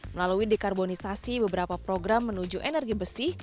melalui dekarbonisasi beberapa program menuju energi besi